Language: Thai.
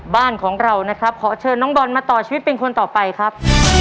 บ้านของเรานะครับขอเชิญน้องบอลมาต่อชีวิตเป็นคนต่อไปครับ